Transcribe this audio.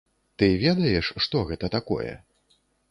Ты ведаеш, што гэта такое?